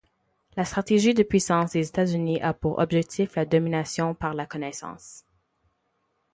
La stratégie de puissance des États-Unis a pour objectif la domination par la connaissance.